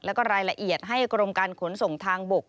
แล้วก็รายละเอียดให้กรมการขนส่งทางบก